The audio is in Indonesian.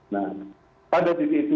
nah pada titik itu